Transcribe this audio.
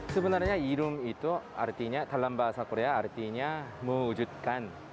sebenarnya yerum itu artinya dalam bahasa korea artinya mewujudkan